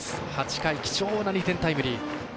８回、貴重な２点タイムリー。